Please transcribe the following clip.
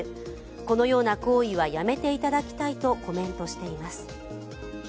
このような行為はやめていただきたいとコメントしています。